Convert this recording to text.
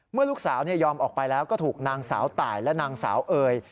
เมื่อลูกสาวยอมออกไปแล้วก็ถูกนางสาวตายและนางสาวเอย